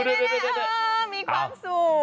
มีความสุข